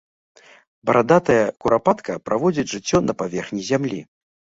Барадатая курапатка праводзіць жыццё на паверхні зямлі.